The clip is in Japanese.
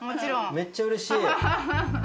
めっちゃうれしい。